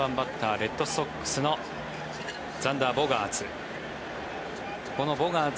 レッドソックスのザンダー・ボガーツ。